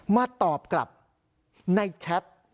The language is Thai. มาตอบกลับในแชท